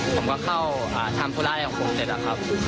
ผมก็เข้าชามฟูระแรงของผมเสร็จครับ